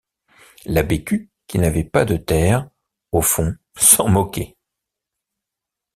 La Bécu, qui n’avait pas de terre, au fond, s’en moquait.